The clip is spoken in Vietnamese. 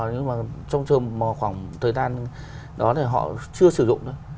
nhưng mà trong trường khoảng thời gian đó thì họ chưa sử dụng nữa